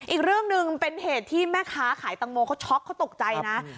อีกเรื่องหนึ่งเป็นเหตุที่แม่ค้าขายตังโมเขาช็อกเขาตกใจนะ